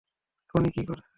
Tony কী করছে?